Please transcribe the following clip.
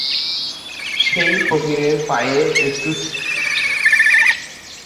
সেই ফকিরের পায়ে একটু সমস্যা ছিল।